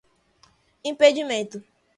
impedimento